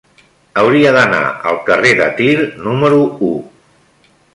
Hauria d'anar al carrer de Tir número u.